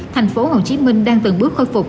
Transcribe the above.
thành phố hồ chí minh đang từng bước khôi phục